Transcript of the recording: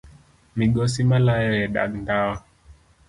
Migosi malayo e dag ndawa